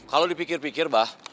kalau dipikir pikir bah